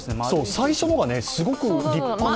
最初のがすごく立派な。